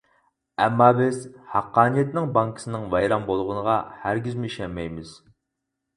ئەمما بىز ھەققانىيەتنىڭ بانكىسىنىڭ ۋەيران بولغىنىغا ھەرگىزمۇ ئىشەنمەيمىز!